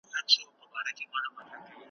د نقاشۍ له لاري د ماشوم روان لوستل کیږي.